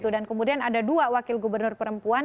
dan kemudian ada dua wakil gubernur perempuan